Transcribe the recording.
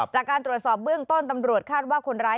จากการตรวจสอบเบื้องต้นตำรวจคาดว่าคนร้าย